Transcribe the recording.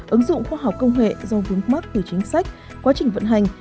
ứng dụng khoa học công nghệ do vướng mắc từ chính sách quá trình vận hành